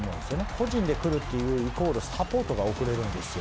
個人でくるっていうイコールサポートが遅れるんですよ。